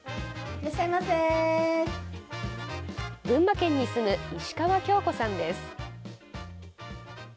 群馬県に住む石川京子さんです。